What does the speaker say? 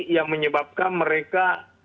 yang menyebabkan mereka